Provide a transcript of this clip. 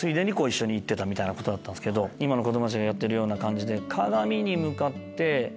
今の子供たちがやってるような感じで。